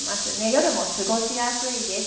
夜も過ごしやすいです。